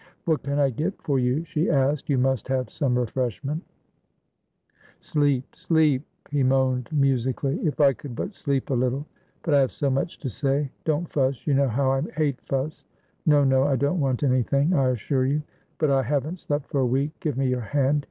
"What can I get for you?" she asked. "You must have some refreshment" "Sleep, sleep!" he moaned musically. "If I could but sleep a little! But I have so much to say. Don't fuss; you know how I hate fuss. No, no, I don't want anything, I assure you. But I haven't slept for a week Give me your hand.